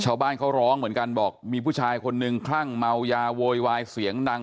ชาวบ้านเขาร้องเหมือนกันบอกมีผู้ชายคนนึงคลั่งเมายาโวยวายเสียงดัง